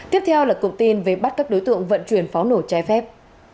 tiếp theo là cuộc tin về bắt các đối tượng vận chuyển phó nổ trái phép